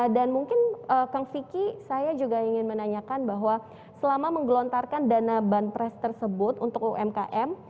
dan mungkin kang vicky saya juga ingin menanyakan bahwa selama menggelontarkan dana banpres tersebut untuk umkm